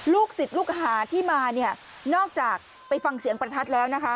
ลูกศิษย์ลูกหาที่มาเนี่ยนอกจากไปฟังเสียงประทัดแล้วนะคะ